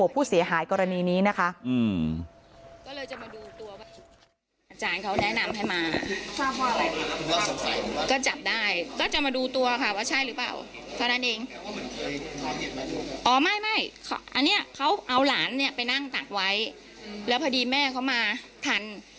ผู้เสียหายกรณีนี้นะคะ